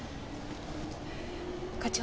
課長。